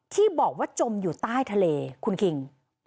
ที่บอกว่าจมอยู่ใต้ทะเลคุณคิง